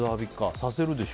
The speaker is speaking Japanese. させるでしょ？